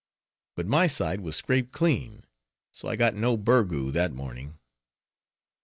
But my side was scraped clean, so I got no burgoo that morning.